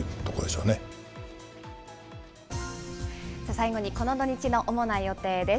最後にこの土日の主な予定です。